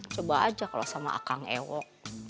coba aja kalau sama akang ewo